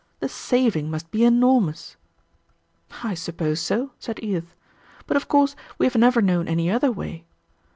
The saving must be enormous." "I suppose so," said Edith, "but of course we have never known any other way.